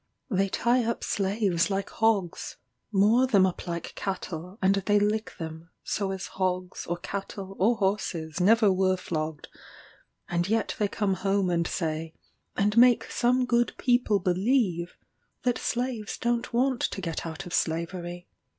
They tie up slaves like hogs moor them up like cattle, and they lick them, so as hogs, or cattle, or horses never were flogged; and yet they come home and say, and make some good people believe, that slaves don't want to get out of slavery.